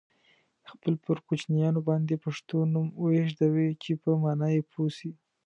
خپل پر کوچنیانو باندي پښتو نوم ویږدوی چې په مانا یې پوه سی.